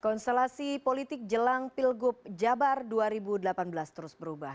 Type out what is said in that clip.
konstelasi politik jelang pilgub jabar dua ribu delapan belas terus berubah